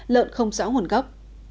lợn không xóa hồn gốc